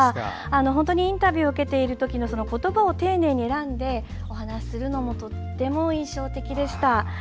本当にインタビューを受けているときの言葉を丁寧に選んでお話されるのもとても印象的でした。